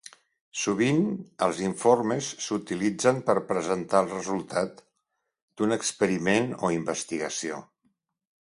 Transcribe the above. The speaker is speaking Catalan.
Sovint els informes s'utilitzen per presentar el resultat d'un experiment o investigació.